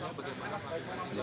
jadi kelakuan bagaimana pak